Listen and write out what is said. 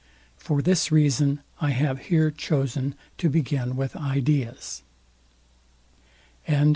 For this reason I have here chosen to begin with ideas. SECT.